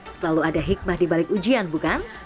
selalu ada hikmah dibalik ujian bukan